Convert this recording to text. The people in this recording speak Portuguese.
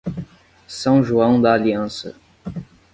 São João d'Aliança